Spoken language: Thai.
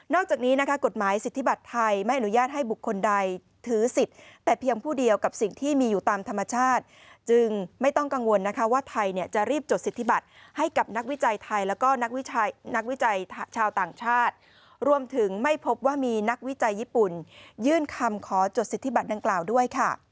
จากนี้นะคะกฎหมายสิทธิบัตรไทยไม่อนุญาตให้บุคคลใดถือสิทธิ์แต่เพียงผู้เดียวกับสิ่งที่มีอยู่ตามธรรมชาติจึงไม่ต้องกังวลนะคะว่าไทยจะรีบจดสิทธิบัติให้กับนักวิจัยไทยแล้วก็นักวิจัยชาวต่างชาติรวมถึงไม่พบว่ามีนักวิจัยญี่ปุ่นยื่นคำขอจดสิทธิบัตรดังกล่าวด้วยค่ะ